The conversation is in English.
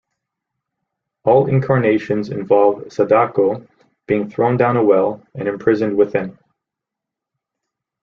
All incarnations involve Sadako being thrown down a well and imprisoned within.